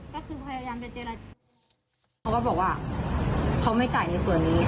เขาก็บอกว่าเขาไม่จ่ายในส่วนนี้